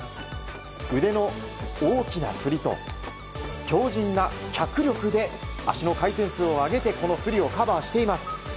腕の大きな振りと、強靭な脚力で足の回転数を上げてこの不利をカバーしています。